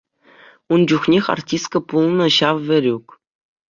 Ун чухнех артистка пулнӑ ҫав Верук.